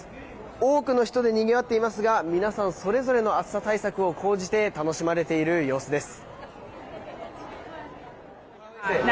多くの人でにぎわっていますが皆さんそれぞれの暑さ対策を講じて楽しまれている様子です。